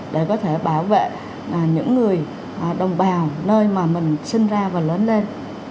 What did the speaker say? để có thể bảo vệ những người đồng bào nơi mà mình sinh ra và lớn lên